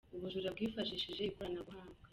Ubujura bwifashishije ikoranabuhanga